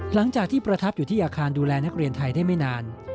หลังจากที่ประทับอยู่ที่อาคารดูแลนักเรียนไทยได้ไม่นาน